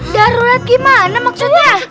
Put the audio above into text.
darurat gimana maksudnya